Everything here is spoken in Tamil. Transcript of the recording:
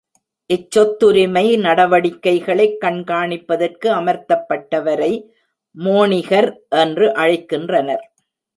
இச்சொத்துரிமை நடவடிக்கைகளைக் கண்காணிப்பதற்கு அமர்த்தப்பட்டவரை மோணிகர் என்று அழைக்கின்றனர்.